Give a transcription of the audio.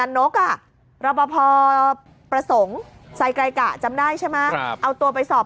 นันนกอ่ะรปภประสงค์ใส่กายกะจำได้ใช่มั้ยเอาตัวไปสอบ